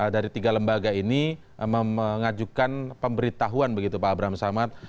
dari tiga lembaga ini mengajukan pemberitahuan begitu pak abraham samad